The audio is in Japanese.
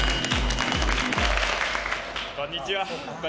こんにちは。